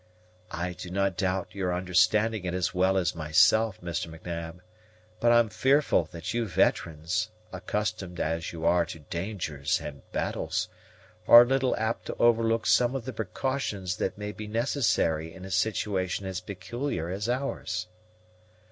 "I do not doubt your understanding it as well as myself, Mr. M'Nab, but I'm fearful that you veterans, accustomed as you are to dangers and battles, are a little apt to overlook some of the precautions that may be necessary in a situation as peculiar as ours."